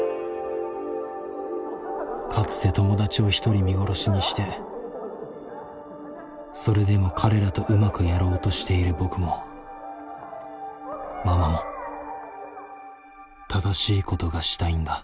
かつて友達を１人見殺しにしてそれでも彼らとうまくやろうとしている僕もママも正しいことがしたいんだ。